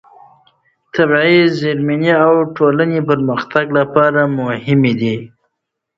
طبیعي زېرمې د ټولنې د پرمختګ لپاره مهمې دي.